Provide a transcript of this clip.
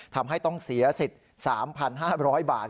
ทำให้ต้องเสียสิทธิ์๓๕๐๐บาท